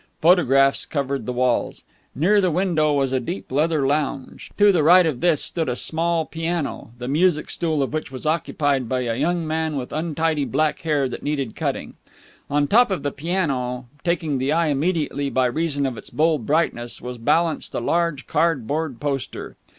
Photographs covered the walls. Near the window was a deep leather lounge; to the right of this stood a small piano, the music stool of which was occupied by a young man with untidy black hair that needed cutting. On top of the piano, taking the eye immediately by reason of its bold brightness, was balanced a large cardboard poster.